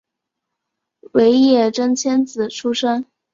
尾野真千子出身。